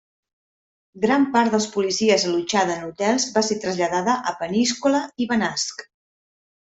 Gran part dels policies allotjada en hotels va ser traslladada a Peníscola i Benasc.